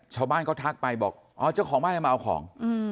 ชาวบ้านเขาทักไปบอกอ๋อเจ้าของบ้านให้มาเอาของ